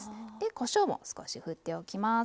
こしょうも少しふっておきます。